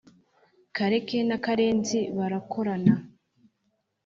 kareke na karenzi barakorana